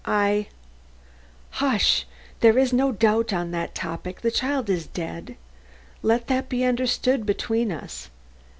I " "Hush! there is no doubt on that topic; the child is dead. Let that be understood between us."